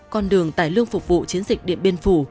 con đường tài lương phục vụ chiến dịch điện biên phủ